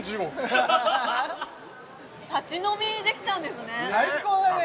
立ち飲みできちゃうんですね最高だね！